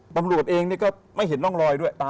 ตำรวจเองก็ไม่เห็นร่องรอยด้วย